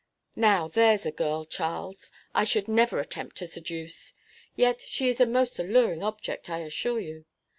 Now, there's a girl, Charles, I should never attempt to seduce; yet she is a most alluring object, I assure you.